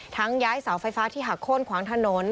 ย้ายเสาไฟฟ้าที่หักโค้นขวางถนน